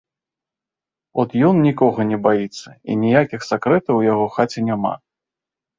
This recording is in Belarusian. От ён нікога не баіцца, і ніякіх сакрэтаў у яго хаце няма.